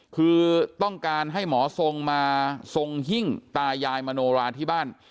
คือต้องการให้หมอทรงมาทรงหิ้งตายายมโนราที่บ้าน